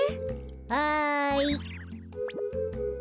はい。